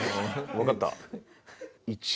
わかった。